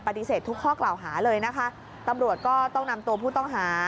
ทุกข้อกล่าวหาเลยนะคะตำรวจก็ต้องนำตัวผู้ต้องหา